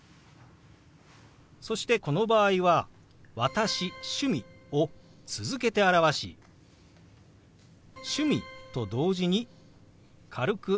そしてこの場合は「私趣味」を続けて表し「趣味」と同時に軽くあごを下げます。